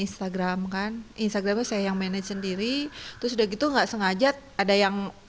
instagram kan instagramnya saya yang manage sendiri terus udah gitu nggak sengaja ada yang